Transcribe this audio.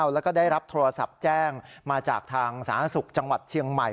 แล้วก็ได้รับโทรศัพท์แจ้งมาจากทางสาธารณสุขจังหวัดเชียงใหม่